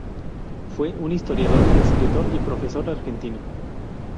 Fue un historiador, escritor y profesor argentino.